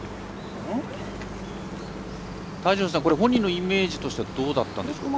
本人のイメージとしてはどうだったんでしょうか。